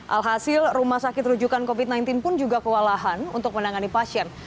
alhasil rumah sakit rujukan covid sembilan belas pun juga kewalahan untuk menangani pasien